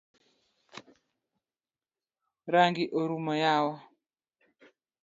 Rangi orumo yawa.